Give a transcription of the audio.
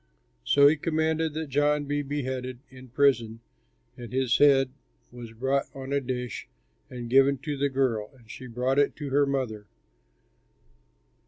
So he commanded that John be beheaded in prison, and his head was brought on a dish and given to the girl, and she brought it to her mother.